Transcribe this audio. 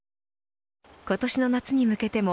今年の夏に向けても